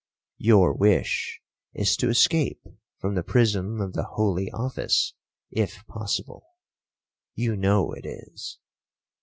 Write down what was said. Your wish is to escape from the prison of the holy office, if possible,—you know it is.'